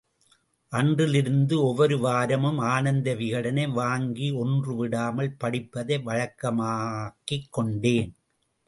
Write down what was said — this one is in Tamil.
அன்றிலிருந்து ஒவ்வொரு வாரமும் ஆனந்த விகடனை வாங்கி ஒன்று விடாமல் படிப்பதை வழக்கமாக்கிக்கொண்டேன்.